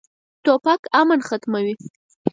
توپک امن ختموي.